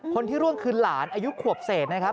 คนที่ร่วงคือหลานอายุขวบเศษนะครับ